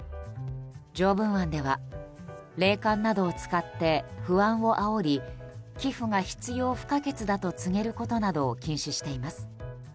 条文案では霊感などを使って不安をあおり寄付が必要不可欠だと告げることなどを禁止しています。